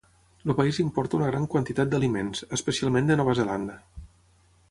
El país importa una gran quantitat d'aliments, especialment de Nova Zelanda.